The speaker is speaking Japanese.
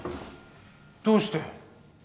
どうして！？